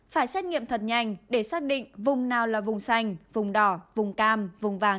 phải xét nghiệm thật nhanh để xác định vùng nào là vùng xanh vùng đỏ vùng cam vùng vàng